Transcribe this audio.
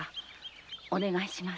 お願いします。